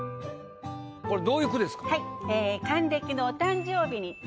これどういう句ですか？